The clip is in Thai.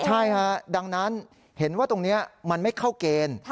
ใช่ฮะดังนั้นเห็นว่าตรงนี้มันไม่เข้าเกณฑ์